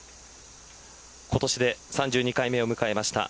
今年で３２回目を迎えました。